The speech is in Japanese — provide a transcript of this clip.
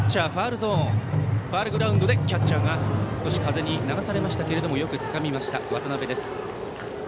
ファウルグラウンドでキャッチャーが少し風に流されましたがよくつかみました、渡辺。